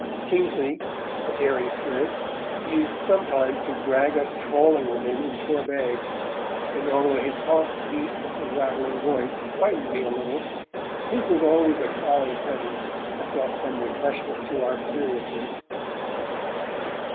Kingsley, a daring spirit, used sometimes to drag us out trawling with him in Torbay, and although his hawk's beak and rattling voice frightened me a little, his was always a jolly presence that brought some refreshment to our seriousness.